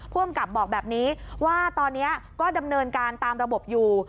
อำกับบอกแบบนี้ว่าตอนนี้ก็ดำเนินการตามระบบอยู่